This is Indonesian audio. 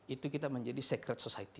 itu kita menjadi secret society